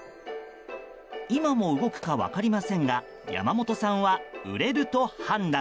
今も動くか分かりませんが山本さんは、売れると判断。